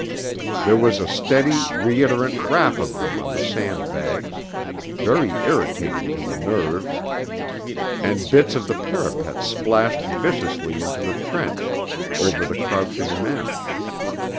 There was a steady, reiterant rap of them on the sand bags, very irritating to the nerves, and bits of the parapet splashed viciously into the trench over the crouching men.